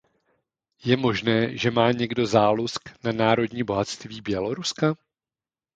Je možné, že má někdo zálusk na národní bohatství Běloruska?